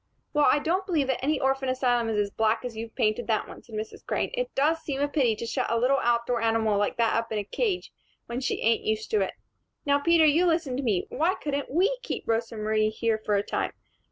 "While I don't believe that any orphan asylum is as black as you've painted that one," said Mrs. Crane, "it does seem a pity to shut a little outdoor animal like that up in a cage when she ain't used to it. Now, Peter, you listen to me. Why couldn't we keep Rosa Marie here for a time.